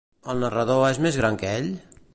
El narrador és més gran que ell?